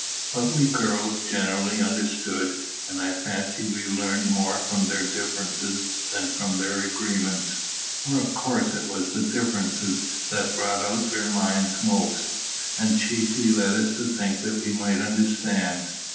But we girls generally understood: and I fancy we learned more from their differences than from their agreements; for of course it was the differences that brought out their minds most, and chiefly led us to think that we might understand.